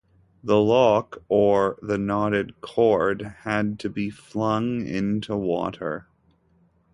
The lock or the knotted cord had to be flung into water.